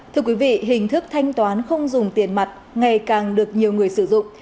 thưa quý vị hình thức thanh toán không dùng tiền mặt ngày càng được nhiều người sử dụng